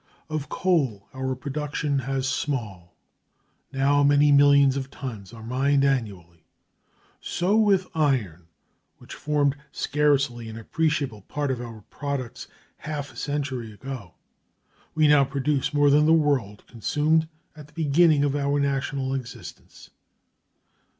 Of coal our production has small; now many millions of tons are mined annually. So with iron, which formed scarcely an appreciable part of our products half a century ago, we now produce more than the world consumed at the beginning of our national existence.